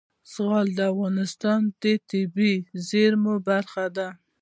زغال د افغانستان د طبیعي زیرمو برخه ده.